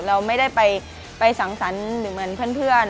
เราไม่ได้ไปสังสรรค์หรือเหมือนเพื่อน